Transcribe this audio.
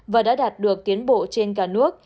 và đã đạt được tiến bộ trên cả nước